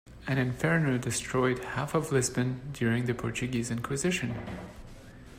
An inferno destroyed half of Lisbon during the Portuguese inquisition.